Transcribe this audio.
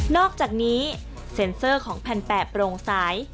อกจากนี้เซ็นเซอร์ของแผ่นแปะโปร่งสาย